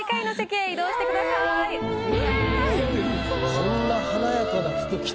こんな華やかな服着て。